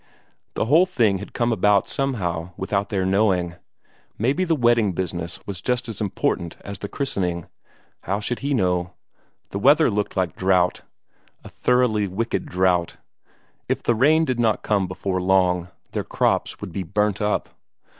The whole thing had come about somehow without their knowing; maybe the wedding business was just as important as the christening how should he know? The weather looked like drought a thoroughly wicked drought; if the rain did not come before long, their crops would be burnt up.